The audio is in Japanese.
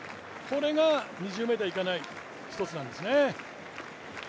これが２０ｍいかない１つなんですね。